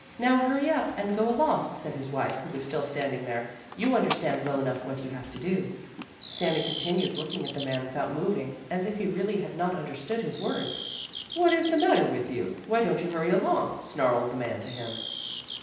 "Now hurry up and go along," said his wife, who was still standing there; "you understand well enough what you have to do." Sami continued looking at the man without moving, as if he really had not understood his words. "What is the matter with you? Why don't you hurry along?" snarled the man to him.